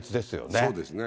そうですね。